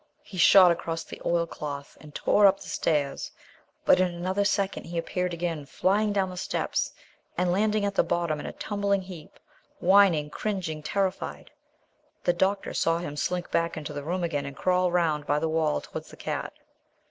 He shot across the oilcloth, and tore up the stairs, but in another second he appeared again, flying down the steps and landing at the bottom in a tumbling heap, whining, cringing, terrified. The doctor saw him slink back into the room again and crawl round by the wall towards the cat.